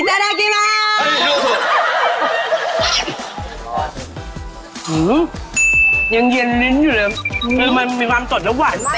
อิตาแดกิแม่อื้อยังเย็นลิ้นอยู่แล้วคือมันมีความสดแล้วหวาน